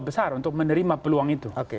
besar untuk menerima peluang itu